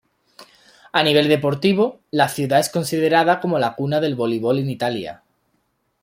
A nivel deportivo, la ciudad es considerada como la cuna del voleibol en Italia.